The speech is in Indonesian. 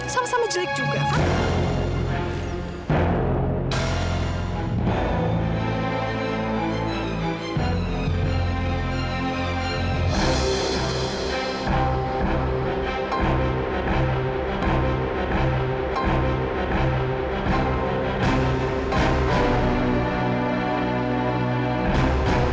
sama sama jelek juga kak